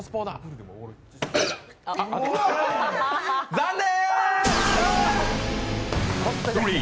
残念！